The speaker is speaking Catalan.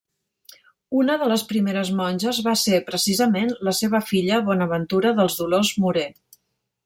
Una de les primeres monges va ser, precisament, la seva filla Bonaventura dels Dolors Morer.